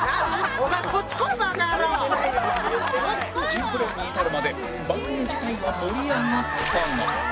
珍プレーに至るまで番組自体は盛り上がったが